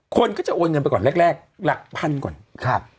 คนก็จะโอนเงินไปก่อนแรกแรกหลักพันก่อนครับ